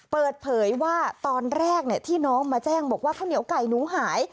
เปิดเผยว่าตอนแรกที่น้องมาแจ้งบอกว่าข้าวเหนียวไก่หนูหาย